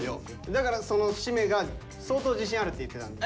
だからそのしめが相当自信あるって言ってたんで。